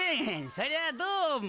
そりゃどうも？